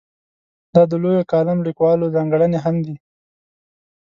دا د لویو کالم لیکوالو ځانګړنې هم دي.